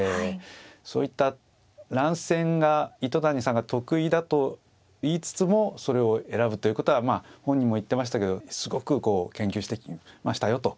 そういった乱戦が糸谷さんが得意だと言いつつもそれを選ぶということはまあ本人も言ってましたけどすごくこう研究してきましたよと。